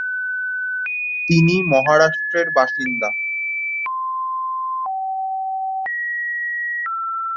তিনি মহারাষ্ট্রের বাসিন্দা।